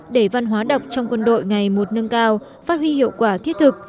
để văn hóa đọc trong quân đội ngày một nâng cao phát huy hiệu quả thiết thực